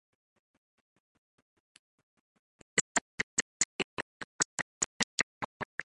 This sentence is stating that the person has finished their homework.